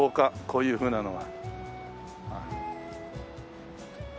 こういうふうなのが。